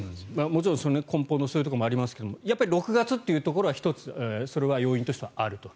もちろん根本のそういうところもありますがやっぱり６月というところは１つ要因としてはあると。